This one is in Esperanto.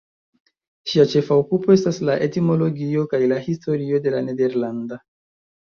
Ŝia ĉefa okupo estas la etimologio kaj la historio de la nederlanda.